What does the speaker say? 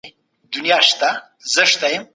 مطالعه زموږ پر اړيکو مثبت اغېز لري.